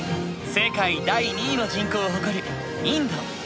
世界第２位の人口を誇るインド。